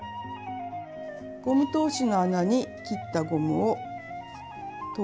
ゴム通しの穴に切ったゴムを通します。